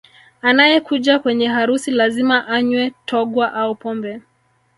Anayekuja kwenye harusi lazima anywe Togwa au Pombe